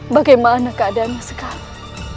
bagaimana keadaannya sekarang